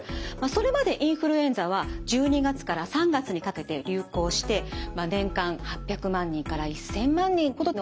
それまでインフルエンザは１２月から３月にかけて流行して年間８００万人から１，０００万人ほどの感染者が出ていました。